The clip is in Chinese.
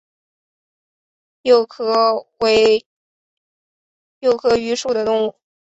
幼赫壳蛞蝓为壳蛞蝓科赫壳蛞蝓属的动物。